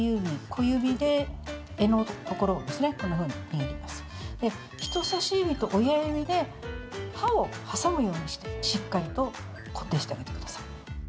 で、人さし指と親指で刃を挟むようにしてしっかりと固定してあげてください。